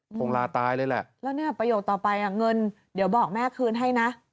ประโยคต่อไปเดี๋ยวบอกแม่คืนให้นะ